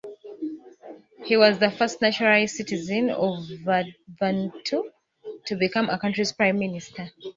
He was the first naturalized citizen of Vanuatu to become the country's prime minister.